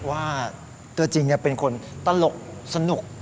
ว่าตัวจริงเป็นคนตลกสนุก